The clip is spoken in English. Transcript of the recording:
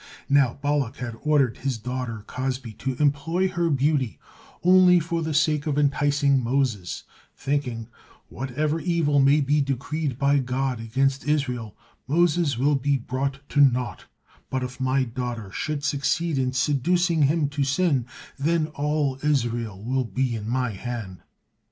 Now Balak had ordered his daughter Cozbi to employ her beauty only for the sake of enticing Moses, thinking, "Whatever evil may be decreed by God against Israel, Moses will be brought to naught, but if my daughter should succeed in seducing him to sin, then all Israel will be in my hand."